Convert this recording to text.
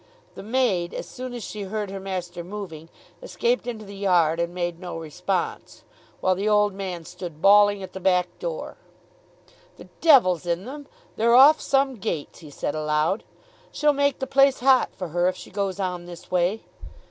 The maid as soon as she heard her master moving, escaped into the yard and made no response, while the old man stood bawling at the back door. "The devil's in them. They're off some gates," he said aloud. "She'll make the place hot for her, if she goes on this way."